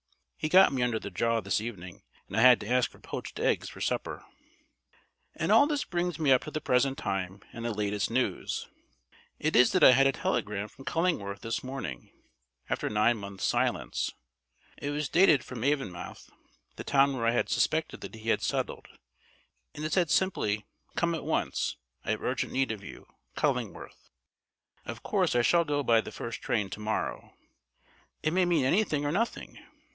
He got me under the jaw this evening, and I had to ask for poached eggs for supper. And all this brings me up to the present time and the latest news. It is that I had a telegram from Cullingworth this morning after nine months' silence. It was dated from Avonmouth, the town where I had suspected that he had settled, and it said simply, "Come at once. I have urgent need of you. CULLINGWORTH." Of course, I shall go by the first train to morrow. It may mean anything or nothing.